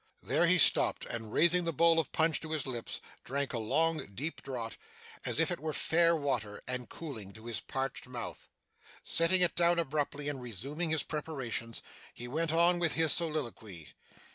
There he stopped; and raising the bowl of punch to his lips, drank a long deep draught, as if it were fair water and cooling to his parched mouth. Setting it down abruptly, and resuming his preparations, he went on with his soliloquy.